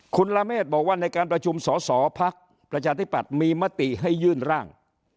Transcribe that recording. คุณละเมฆบอกว่าในการประชุมสอสอพักประชาธิปัตย์มีมติให้ยื่นร่าง